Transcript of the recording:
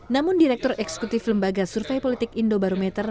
namun direktur eksekutif lembaga survei politik indobarometer